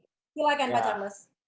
silahkan pak charles